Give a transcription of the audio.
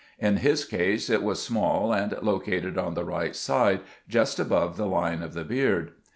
In his case it was small, and located on the right side just above the line of the beard.